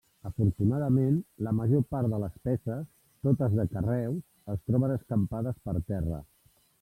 Afortunadament, la major part de les peces, totes de carreus, es troben escampades per terra.